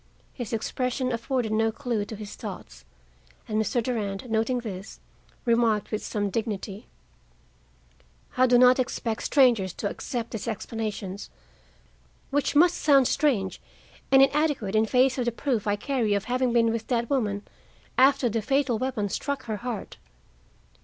His expression afforded no clue to his thoughts, and Mr. Durand, noting this, remarked with some dignity: "I do not expect strangers to accept these explanations, which must sound strange and inadequate in face of the proof I carry of having been with that woman after the fatal weapon struck her heart.